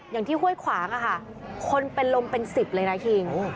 อย่างที่ห้วยขวางอะค่ะคนเป็นลมเป็น๑๐เลยนะคิง